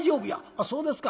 「あっそうですか」。